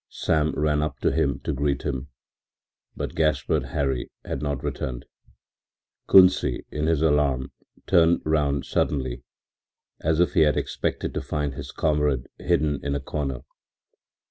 Sam ran up to him to greet him, but Gaspard Hari had not returned. Kunsi, in his alarm, turned round suddenly, as if he had expected to find his comrade hidden in a corner.